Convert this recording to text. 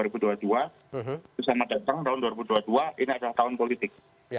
bisa mendatang tahun dua ribu dua puluh dua ini adalah tahun politik